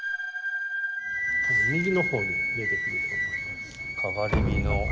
右の方に出てくると思います。